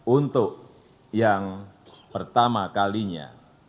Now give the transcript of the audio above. untuk yang pertama kalinya